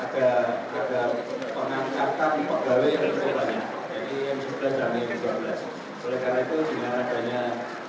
kemudian mudah mudahan kehadiran jendrovel juga memberikan semangat